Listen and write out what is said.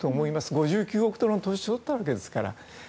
５９億の投資を募ったわけですから。